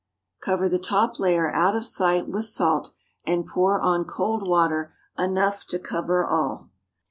Cover the top layer out of sight with salt, and pour on cold water enough to cover all.